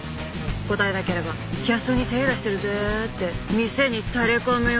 答えなければキャストに手ぇ出してるぜって店にタレ込むよ？